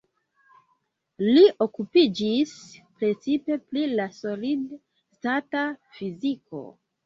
Li okupiĝis precipe pri la solid-stata fiziko.